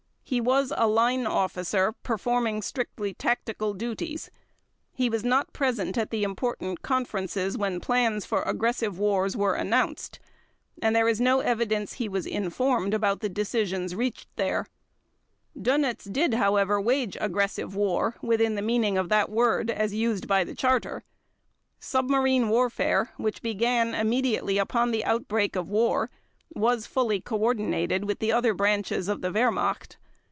He was a line officer performing strictly tactical duties. He was not present at the important conferences when plans for aggressive wars were announced, and there is no evidence he was informed about the decisions reached there. Dönitz did, however, wage aggressive war within the meaning of that word as used by the Charter. Submarine warfare which began immediately upon the outbreak of war, was fully coordinated with the other branches of the Wehrmacht.